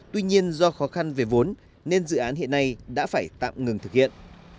tuy nhiên do khó khăn về vốn nên dự án hiện nay đã phải tạm ngừng thực hiện